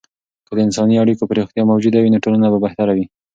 که د انساني اړیکو پراختیا موجوده وي، نو ټولنه به بهتره وي.